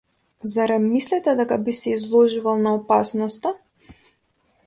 Зарем мислите дека би се изложувал на опасноста?